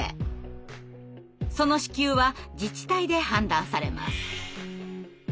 その支給は自治体で判断されます。